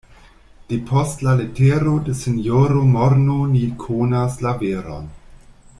Depost la letero de sinjoro Morno ni konas la veron.